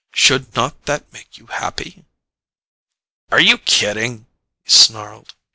Should not that make you happy?" "Are you kidding?" he snarled.